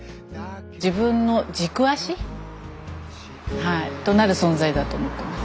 自分の軸足となる存在だと思ってます。